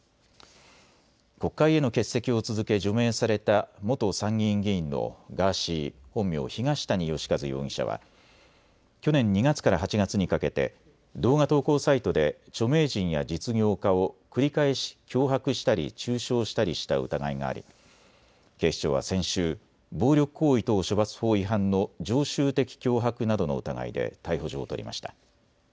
国会への欠席を続け除名された元参議院議員のガーシー、本名・東谷義和容疑者は去年２月から８月にかけ動画投稿サイトで著名人や実業家を繰り返し脅迫したり中傷したりした疑いがあり警視庁は先週、暴力行為等処罰法違反の常習的脅迫などの疑いで逮捕状を取りました。